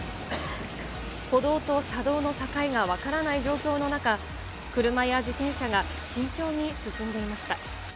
歩道と車道の境が分からない状況の中、車や自転車が慎重に進んでいました。